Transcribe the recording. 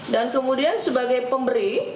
dan kemudian sebagai pemberi